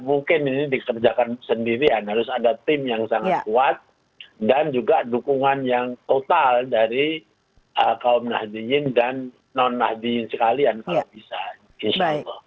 mungkin ini dikerjakan sendirian harus ada tim yang sangat kuat dan juga dukungan yang total dari kaum nahdiyin dan non nahdien sekalian kalau bisa insya allah